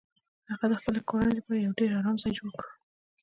هغه د خپلې کورنۍ لپاره یو ډیر ارام ځای جوړ کړ